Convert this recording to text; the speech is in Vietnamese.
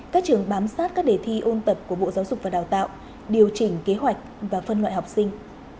các trường bám sát các đề thi ôn tập của bộ giáo dục và đào tạo điều chỉnh kế hoạch và phân loại học sinh